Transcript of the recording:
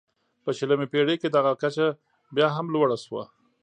په شلمې پېړۍ کې دغه کچه بیا هم لوړه شوه.